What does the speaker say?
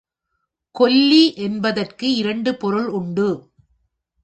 கொல்லி என்பதற்கு இரண்டு பொருள் உண்டு.